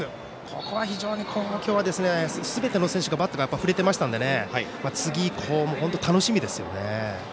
ここが非常に、今日はすべての選手がバットが振れてましたので次以降も楽しみですよね。